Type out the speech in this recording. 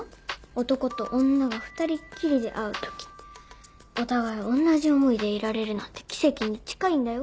男と女が２人っきりで会う時お互い同じ思いでいられるなんて奇跡に近いんだよ？